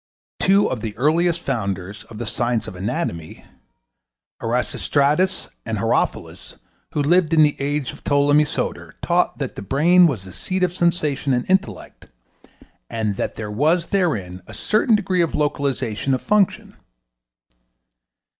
Two of the earliest founders of the science of anatomy, Erasistratus and Herophilus, who lived in the age of Ptolemy Soter, taught that the brain was the seat of sensation and intellect, and that there was therein a certain degree of localization of function.